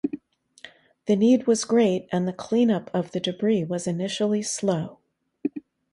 The need was great, and the cleanup of the debris was initially slow.